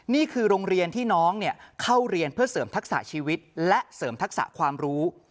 นี่คือโรงเรียนที่น้องเข้าเรียนเพื่อเสริมทักษะชีวิตและเสริมทักษะความรู้